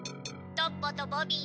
トッポとボビー。